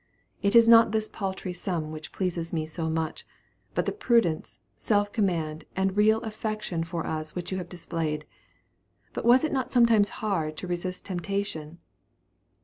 It is not this paltry sum which pleases me so much, but the prudence, self command, and real affection for us which you have displayed. But was it not sometimes hard to resist temptation?"